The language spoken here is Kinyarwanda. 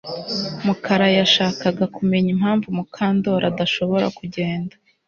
Mukara yashakaga kumenya impamvu Mukandoli adashobora kugenda